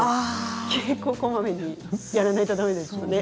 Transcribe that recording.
結構こまめにやらないとだめですね。